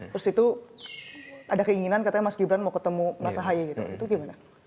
terus itu ada keinginan katanya mas gibran mau ketemu mas ahy gitu itu gimana